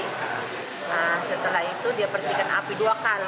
nah setelah itu dia percikan api dua kali